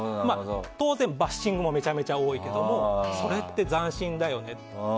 当然、バッシングもめちゃくちゃ多かったけどそれって、斬新だよねって。